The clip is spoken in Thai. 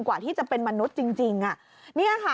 กว่าที่จะเป็นมนุษย์จริงนี่ค่ะ